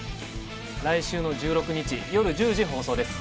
来週の１６日夜１０時放送です